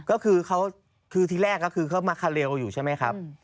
ก็คือเขาคือทีแรกก็คือเขามาคาเร็วอยู่ใช่ไหมครับ